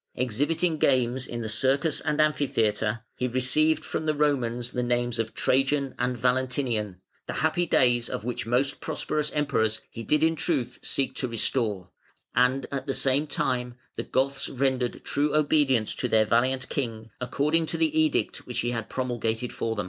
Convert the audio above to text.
Exhibiting games in the circus and amphitheatre, he received from the Romans the names of Trajan and Valentinian (the happy days of which most prosperous Emperors he did in truth seek to restore), and, at the same time, the Goths rendered true obedience to their valiant King, according to the Edict which he had promulgated for them".